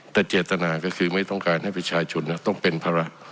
แต่เจตนาก็คือไม่ต้องการให้ประชาชนต้องเป็นภาระ